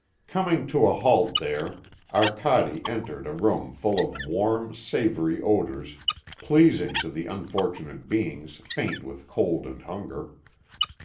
Coming to a halt there, Arcade entered a room full of warm, savoury odours, pleasing to the unfortunate beings faint with cold and hunger.